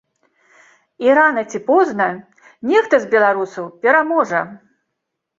І рана ці позна нехта з беларусаў пераможа!